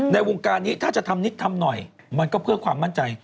วงการนี้ถ้าจะทำนิดทำหน่อยมันก็เพื่อความมั่นใจ